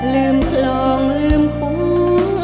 ลืมคลองลืมคุ้ม